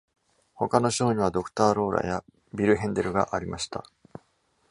他のショーには「ドクター・ローラ」や「ビル・ヘンデル」がありました。